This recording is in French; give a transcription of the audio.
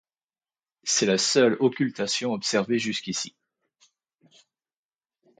C'est la seule occultation observée jusqu'ici.